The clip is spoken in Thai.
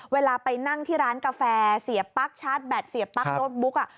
เวลาไปนั่งที่ร้านกาแฟเสียปั๊กชาร์จแบตเสียปั๊กโน้ตบุ๊ก